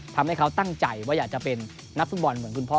ทำให้เขาตั้งใจว่าอยากจะเป็นนักฟุตบอลเหมือนคุณพ่อ